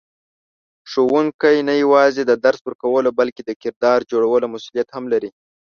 ښوونکی نه یوازې د درس ورکولو بلکې د کردار جوړولو مسئولیت هم لري.